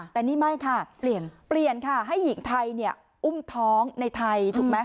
แต่นี่ไม่ค่ะเปลี่ยนค่ะให้หญิงไทยอุ้มท้องในไทย